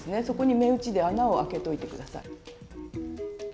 そこに目打ちで穴をあけといて下さい。